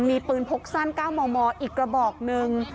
มีปืนพกสั้น๙มมอีกกระบอกหนึ่ง